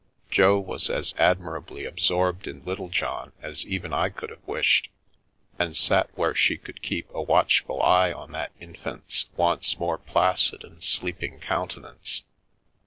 Jo was as admirably absorbed in Littlejohn as even I could have wished, and sat where she could keep a watchful eye on that infant's once more placid and sleeping countenance.